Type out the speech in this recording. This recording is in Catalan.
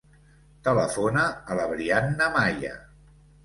Telefona a la Brianna Maya.